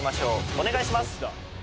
お願いします！